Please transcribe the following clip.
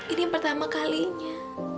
ini pertama kalinya